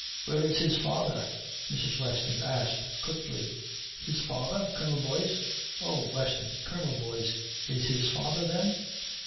"Where is his father?" Mrs. Weston asked quickly. "His father? Colonel Boyce? Oh, Weston! Colonel Boyce is his father, then?"